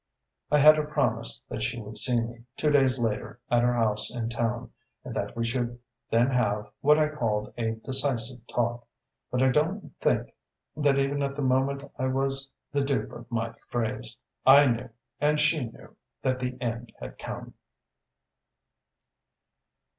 "I had her promise that she would see me, two days later, at her house in town, and that we should then have what I called 'a decisive talk'; but I don't think that even at the moment I was the dupe of my phrase. I knew, and she knew, that the end had come...."